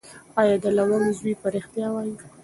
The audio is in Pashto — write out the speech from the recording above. ایا د لونګ زوی به ریښتیا وایي؟